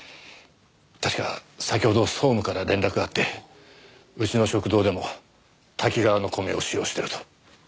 確か先ほど総務から連絡があってうちの食堂でもタキガワの米を使用していると。